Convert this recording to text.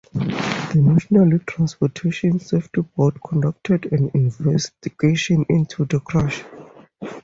The National Transportation Safety Board conducted an investigation into the crash.